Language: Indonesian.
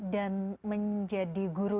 dan menjadi guru